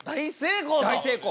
大成功と。